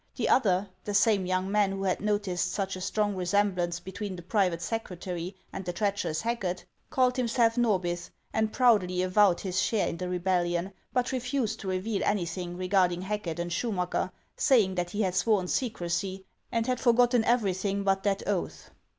The other, — the same young man who had noticed such a strong resemblance between the private secretary and the treacherous Hacket, — called himself Norbith, and proudly avowed his share in the rebellion, but refused to reveal anything regarding Hacket and Schumacker, saying that he had sworn secrecy, and had HANS OF ICELAND. 443 forgotten everything but that oath.